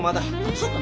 そうか。